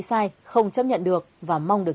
sai không chấp nhận được và mong được